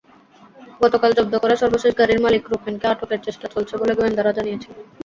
গতকাল জব্দ করা সর্বশেষ গাড়ির মালিক রোপেনকে আটকের চেষ্টা চলছে বলে গোয়েন্দারা জানিয়েছেন।